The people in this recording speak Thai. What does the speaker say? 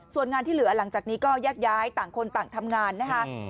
ส่วนงานที่เหลือหลังจากนี้ก็แยกย้ายต่างคนต่างทำงานนะคะ